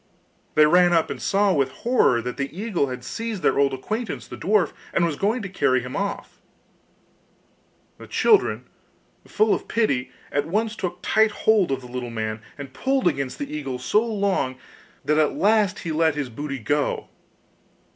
They ran up and saw with horror that the eagle had seized their old acquaintance the dwarf, and was going to carry him off. The children, full of pity, at once took tight hold of the little man, and pulled against the eagle so long that at last he let his booty go.